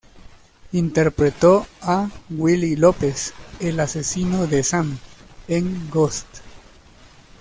Interpretó a Willie Lopez, el asesino de Sam, en "Ghost".